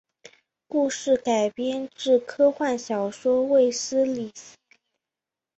故事改编自科幻小说卫斯理系列。